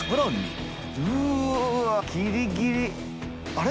あれ？